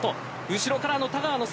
後ろからは田川の姿。